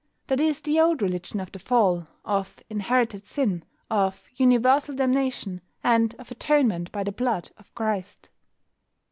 That is the old religion of the Fall, of "Inherited Sin," of "Universal Damnation," and of atonement by the blood of Christ.